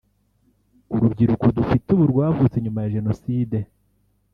Urubyiruko dufite ubu rwavutse nyuma ya Jenoside